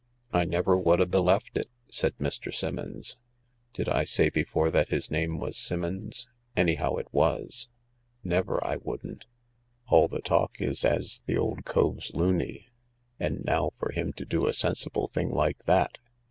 " I never would 'a beleft it," said Mr. Simmons— did I say before that his name was Simmons ? Anyhow, it was. " Never, I wouldn't. All the talk is as the old cove's loony, and now for him to do a sensible thing like that.